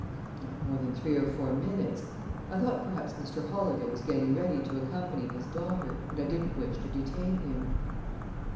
"Not more than three or four minutes. I thought perhaps Mr. Holladay was getting ready to accompany his daughter, and I didn't wish to detain him."